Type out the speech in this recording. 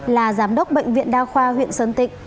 là giám đốc bệnh viện đa khoa huyện sơn tịnh